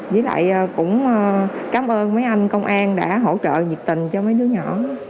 với lại cũng cảm ơn mấy anh công an đã hỗ trợ nhiệt tình cho mấy đứa nhỏ